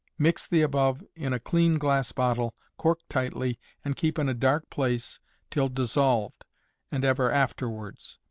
Mix the above in a clean glass bottle, cork tightly, and keep in a dark place till dissolved, and ever afterwards.